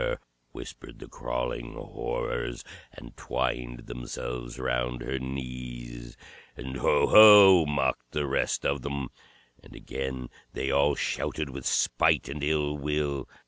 whispered the Crawling Horrors, and twined themselves round her knees. And "Ho, ho!" mocked the rest of them. And again they all shouted with spite and ill will.